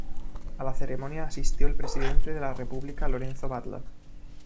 A la ceremonia asistió el presidente de la República, Lorenzo Batlle.